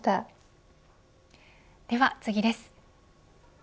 では次です。